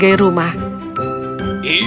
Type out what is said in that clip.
dan dia menemukan sinterklaas yang berada di rumah